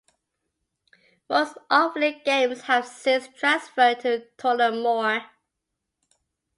Most Offaly games have since transferred to Tullamore.